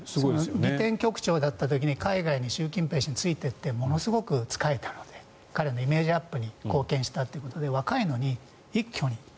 局長だった時に海外に習近平氏についていってものすごく仕えたので彼のイメージアップに貢献したということで若いのに一挙に。